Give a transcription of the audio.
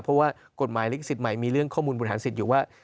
เพราะว่ากฎหมายลิขสิทธิ์ใหม่มีเรื่องข้อมูลบริหารสิทธิ์อยู่ว่า